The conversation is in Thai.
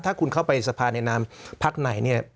ถ้าคุณเข้าไปสภาในนามพักไหนเนี่ย